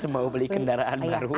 mau beli kendaraan baru